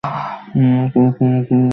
আমি মনে করি, তুমি তো জাদুগ্রস্ত।